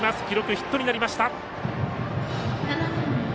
記録、ヒットになりました。